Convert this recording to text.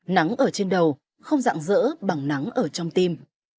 nắng ở trên đầu không dạng dỡ bằng nắng ở trong tim